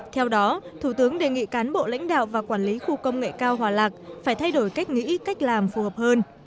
theo đó thủ tướng đề nghị cán bộ lãnh đạo và quản lý khu công nghệ cao hòa lạc phải thay đổi cách nghĩ cách làm phù hợp hơn